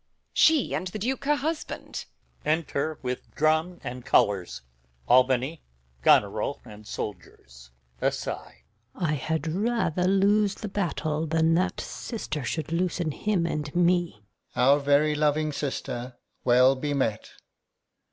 She and the Duke her husband! Enter, with Drum and Colours, Albany, Goneril, Soldiers. Gon. [aside] I had rather lose the battle than that sister Should loosen him and me. Alb. Our very loving sister, well bemet.